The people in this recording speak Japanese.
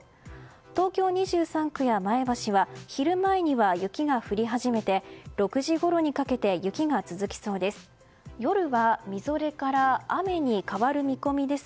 東京２３区や前橋は昼前には雪が降り始めて６時ごろにかけて雪が続きそうです。